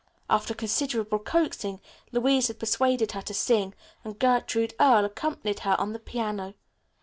After considerable coaxing Louise had persuaded her to sing, and Gertrude Earle accompanied her on the piano.